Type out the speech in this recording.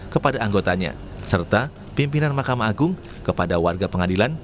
kepada anggotanya serta pimpinan mahkamah agung kepada warga pengadilan